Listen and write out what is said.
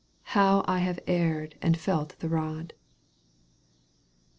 How I have erred and felt the rod